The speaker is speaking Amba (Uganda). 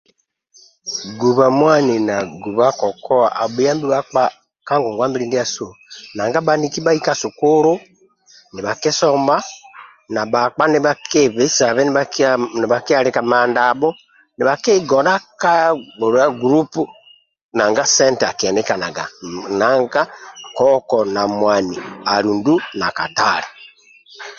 Ghubha mwani na ghubha kokowa abhuyamdi bakpa kangongwabili ndyasu nanga baniki bhai ka sukulu nibhakidkma na bakpa nibhakyebheisabhe nibha kibhakihalika mandambho nibha kigodha bgolwa gulupu nanga sente akihenikanaga nanka koko na mwani alu ndu na katale